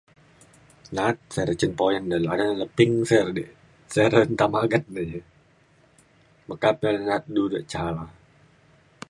na’at sey re cen puyan de [unintelligible] leping sik re di. se re nta maget ne ja meka pe na’at du de ca la’a.